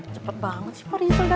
cepet banget sih parisan datengnya